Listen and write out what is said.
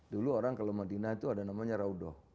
dulu orang kalau madinah itu ada namanya raudoh